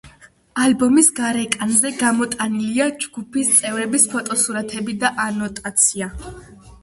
ალბომის გარეკანზე გამოტანილია ჯგუფის წევრების ფოტოსურათები და ანოტაცია.